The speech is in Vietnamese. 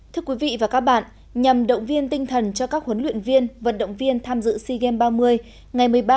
thưa quý vị và các bạn nhằm động viên tinh thần cho các huấn luyện viên vận động viên tham dự sea games ba mươi